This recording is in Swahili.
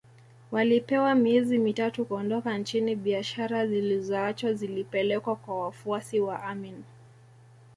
Walipewa miezi mitatu kuondoka nchini biashara zilizoachwa zilipelekwa kwa wafuasi wa Amin